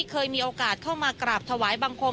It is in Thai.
เคยมีโอกาสเข้ามากราบถวายบังคม